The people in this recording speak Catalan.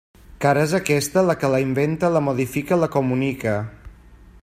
Car és aquesta la que la inventa, la modifica i la comunica.